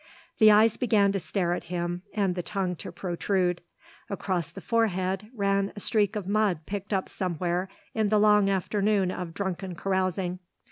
The eyes began to stare at him and the tongue to protrude. Across the forehead ran a streak of mud picked up somewhere in the long afternoon of drunken carousing.